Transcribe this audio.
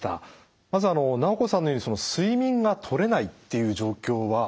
まずナオコさんのように睡眠がとれないっていう状況は多いですか？